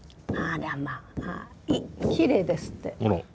あらきれいですって。